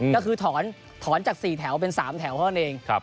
ก็คือถอนจาก๔แถวเป็น๓แถวเท่านั้นเอง